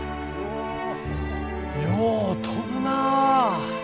よう飛ぶなぁ。